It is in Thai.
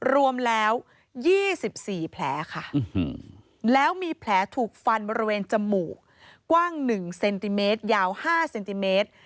รวมแล้ว๒๔แผลค่ะแล้วมีแผลถูกฟันบริเวณจมูกกว้าง๑เซนติเมตรยาว๕เซนติเมตร